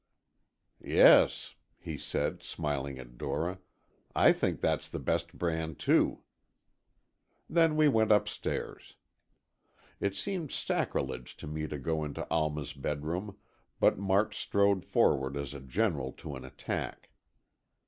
"Yes," he said, smiling at Dora, "I think that's the best brand, too." Then we went upstairs. It seemed sacrilege to me to go into Alma's bedroom, but March strode forward as a general to an attack.